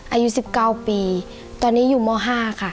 อายุ๑๙ปีตอนนี้อยู่ม๕ค่ะ